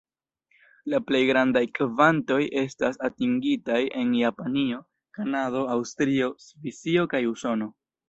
La plej grandaj kvantoj estas atingitaj en Japanio, Kanado, Aŭstrio, Svisio kaj Usono.